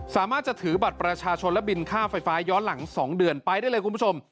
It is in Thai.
สามารถจะถือบัตรประชาชนและบินค่าไฟฟ้าย้อนหลัง๒เดือนไปได้เลยคุณผู้ชม